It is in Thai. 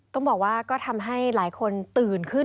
ต้องบอกว่าก็ทำให้หลายคนตื่นขึ้น